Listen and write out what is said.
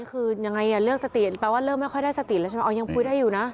คือยังไงเนี่ยเลือกสติแปลว่าเริ่มไม่ค่อยได้สติแล้วใช่ไหมอ๋อยังคุยได้อยู่นะ